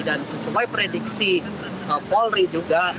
dan sesuai prediksi polri juga